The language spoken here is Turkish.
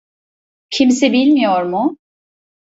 Kimse bilmiyor mu?